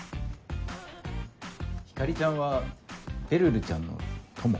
ひかりちゃんはべるるちゃんの友？